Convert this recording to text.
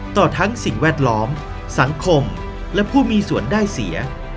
ต่อทั้งสิ่งแวดล้อมสังคมและผู้มีส่วนได้เสีย